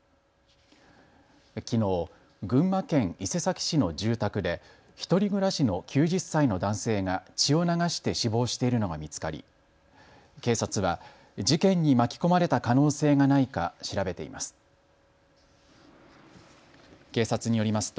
きのう、群馬県伊勢崎市の住宅で１人暮らしの９０歳の男性が血を流して死亡しているのが見つかり警察は事件に巻き込まれた可能性がないか調べています。